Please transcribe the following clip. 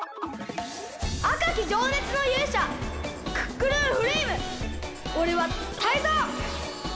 あかきじょうねつのゆうしゃクックルンフレイムおれはタイゾウ！